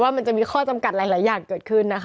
มันจะมีข้อจำกัดหลายอย่างเกิดขึ้นนะคะ